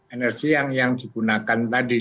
energi yang digunakan tadi